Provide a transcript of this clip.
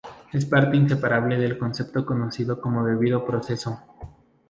Es parte inseparable del concepto conocido como debido proceso.